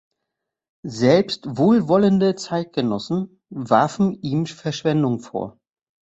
Selbst wohlwollende Zeitgenossen warfen ihm Verschwendung vor.